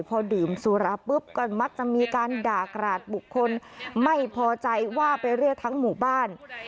พอดื่มสุราปุ๊บก็มักจะมีการด่ากราดบุคคลไม่พอใจว่าไปเรียกทั้งหมู่บ้าน